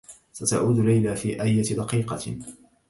ستعود ليلى في أية دقيقة.